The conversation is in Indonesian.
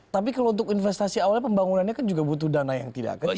tapi kalau untuk investasi awalnya pembangunannya kan juga butuh dana yang tidak kecil